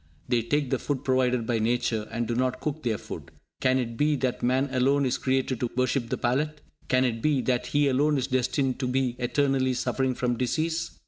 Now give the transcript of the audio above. They take the food provided by Nature, and do not cook their food. Can it be that man alone is created to worship the palate? Can it be that he alone is destined to be eternally suffering from disease?